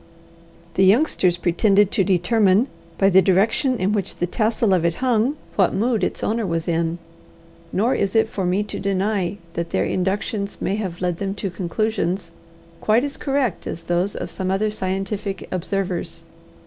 The youngsters pretended to determine, by the direction in which the tassel of it hung, what mood its owner was in; nor is it for me to deny that their inductions may have led them to conclusions quite as correct as those of some other scientific observers.